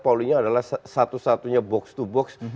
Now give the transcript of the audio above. pollingnya adalah satu satunya box to box